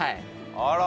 あら！